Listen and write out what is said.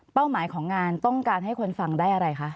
หมายของงานต้องการให้คนฟังได้อะไรคะ